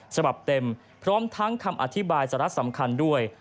ฉบับเต็มพร้อมทั้งคำอธิบายสาระสำคัญด้วย